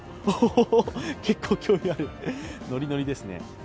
結構興味ある、ノリノリですね。